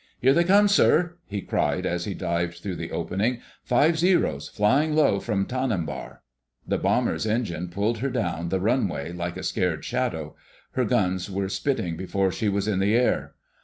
"Here they come, sir!" he cried, as he dived through the opening. "Five Zeros, flying low from Tanimbar." The bomber's engine pulled her down the runway like a scared shadow. Her guns were spitting before she was in the air.